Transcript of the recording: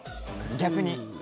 逆に。